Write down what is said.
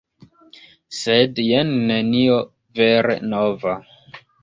Sed jen nenio vere nova.